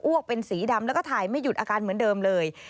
วกเป็นสีดำแล้วก็ถ่ายไม่หยุดอาการเหมือนเดิมเลย